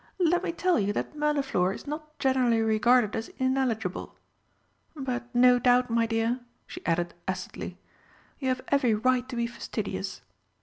"Let me tell you that Mirliflor is not generally regarded as ineligible. But, no doubt, my dear," she added acidly, "you have every right to be fastidious."